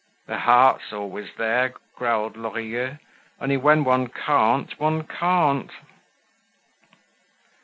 "The heart's always there," growled Lorilleux. "Only when one can't, one can't."